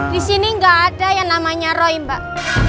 disini gak ada yang namanya roy mbak